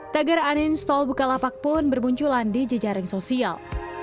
tagaran install bukalapak pun bermunculan di jejaring sosial